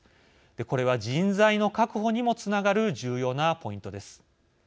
これは人材の確保にもつながる重要なポイントです。